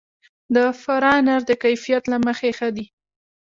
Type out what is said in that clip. د فراه انار د کیفیت له مخې ښه دي.